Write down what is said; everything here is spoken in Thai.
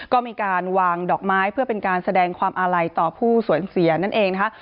ก็มีการวางดอกไม้เพื่อเป็นการแสดงความอาลัยต่อผู้สูญเสียนั่นเองนะคะ